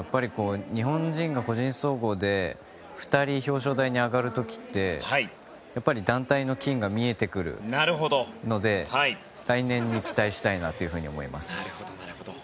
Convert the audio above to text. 日本人が個人総合で２人表彰台に上がる時ってやっぱり団体の金が見えてくるので来年に期待したいと思います。